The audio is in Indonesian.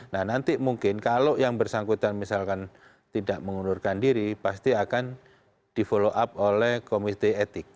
nah nanti mungkin kalau yang bersangkutan misalkan tidak mengundurkan diri pasti akan di follow up oleh komite etik